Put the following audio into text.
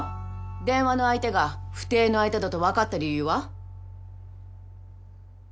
電話の相手が不貞の相手だと分かった理由は？